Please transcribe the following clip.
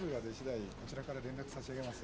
こちらから連絡差し上げます。